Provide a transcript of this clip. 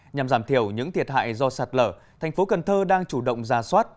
nhằm giảm thiểu những thiệt hại do sạt lở thành phố cần thơ đang chủ động ra soát